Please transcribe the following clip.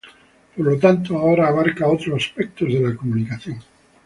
Por lo tanto, ahora abarca otros aspectos de la comunicación.